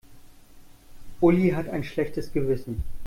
Uli hat ein schlechtes Gewissen.